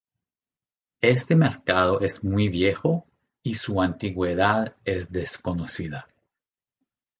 Este mercado es muy viejo y su antigüedad es desconocida.